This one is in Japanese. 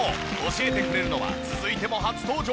教えてくれるのは続いても初登場